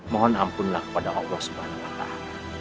mohon ampunlah kepada allah swt